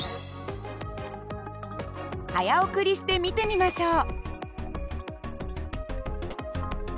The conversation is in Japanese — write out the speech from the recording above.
早送りして見てみましょう。